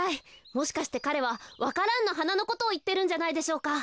もしかしてかれはわか蘭のはなのことをいってるんじゃないでしょうか。